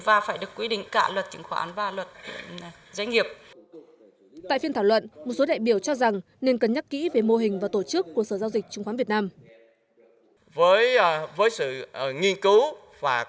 và phải được quy định cả luật chứng khoán và luật doanh nghiệp